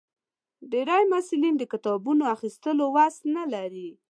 ډېری محصلین د کتابونو اخیستو وس نه لري.